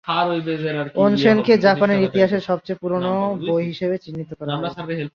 ওনসেনকে জাপানের ইতিহাসের সবচেয়ে পুরনো বই হিসেবে চিহ্নিত করা হয়।